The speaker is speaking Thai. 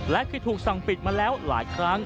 และเคยถูกสั่งปิดมาแล้วหลายครั้ง